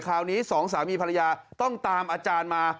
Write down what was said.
คราวนี้สองสามีภรรยาต้องตามอาจารย์มา